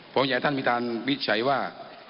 ผมอยากให้ท่านพินิจฉัยว่า